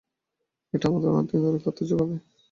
এটা আমাদের অনেকদিন ধরে খাদ্য যোগাবে।